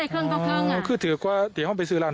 ได้เครื่องต่อเครื่องอ่าคือถือก็เดี๋ยวห้องไปซื้อร้าน